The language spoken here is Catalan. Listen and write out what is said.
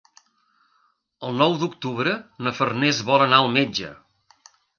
El nou d'octubre na Farners vol anar al metge.